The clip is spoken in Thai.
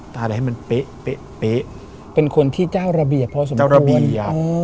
แต่อาจจะให้มันเป๊ะเป๊ะเป๊ะเป็นคนที่เจ้าระบีพอสมควรเจ้าระบีอ่ะ